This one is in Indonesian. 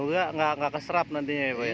nggak keserap nantinya ya pak ya